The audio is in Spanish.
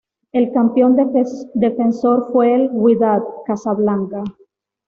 El campeón defensor fue el Wydad Casablanca.